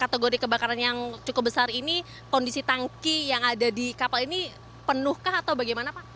kategori kebakaran yang cukup besar ini kondisi tangki yang ada di kapal ini penuhkah atau bagaimana pak